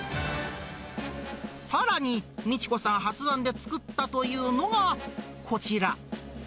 さらに、三智子さん発案で作ったというのがこちら。